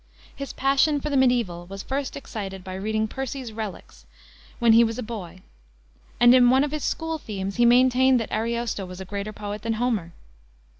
His passion for the medieval was first excited by reading Percy's Reliques, when he was a boy; and in one of his school themes he maintained that Ariosto was a greater poet than Homer.